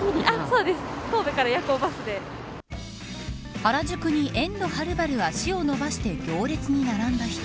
原宿に遠路はるばる足を伸ばして行列に並んだ人。